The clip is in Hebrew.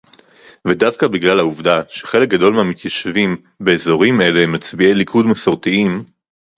ודווקא בגלל העובדה שחלק גדול מהמתיישבים באזורים אלה הם מצביעי ליכוד מסורתיים